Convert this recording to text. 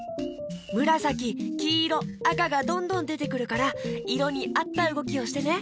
むらさききいろあかがどんどんでてくるからいろにあったうごきをしてね。